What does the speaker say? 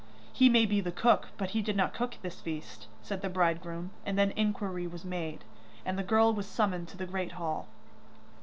'He may be the cook, but he did not cook this feast,' said the bridegroom, and then inquiry was made, and the girl was summoned to the great hall.